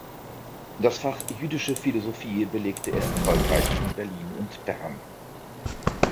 Das Fach Jüdische Philosophie belegte er erfolgreich in Berlin und Bern.